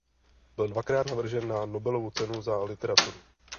Byl dvakrát navržen na Nobelovu cenu za literaturu.